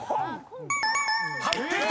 ［入っていた！